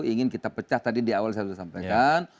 ingin kita pecah tadi di awal saya sudah sampaikan